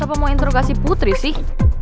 apa mau interogasi putri sih